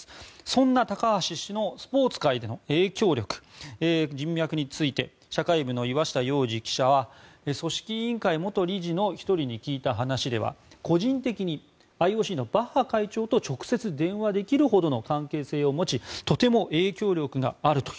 そんな高橋氏のスポーツ界での影響力人脈について社会部の岩下耀司記者は組織委員会元理事の１人に聞いた話では個人的にＩＯＣのバッハ会長と直接電話できるほどの関係性を持ちとても影響力があると。